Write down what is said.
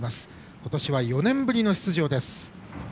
今年は４年ぶりの出場です。